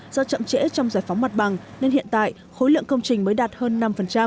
do chậm trễ trong giải phóng mặt bằng nên hiện tại khối lượng công trình mới đạt hơn năm